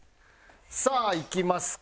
さあいきますか？